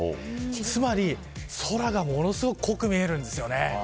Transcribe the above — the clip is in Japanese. つまり、空がものすごく濃く見えるんです。